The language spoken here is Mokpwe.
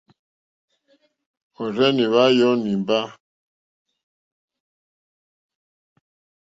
Òrzìɲɛ́ hwá yɔ̀ɔ̀ nìmbâ.